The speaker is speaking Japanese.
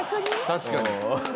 確かに。